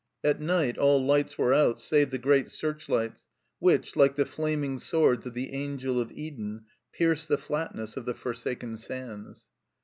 At night all lights were out save the great searchlights which, like the Flaming Swords of the Angel of Eden, pierced the flatness of the forsaken sands.